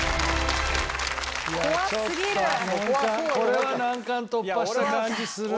これは難関突破した感じするな。